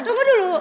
hang tunggu dulu